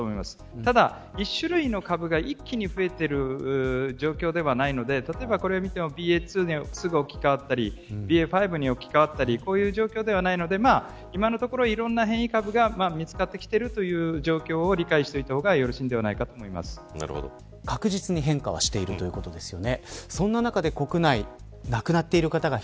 ただ、１種類の株が一気に増えている状況ではないので例えばこれを見てもＢＡ．２が置き換わったりＢＡ．５に置き換わったりそういう状況ではないので今のところ、いろんな変異株が見つかってきてるという状況を理解しておいた方が確実に変化はしているということですよね。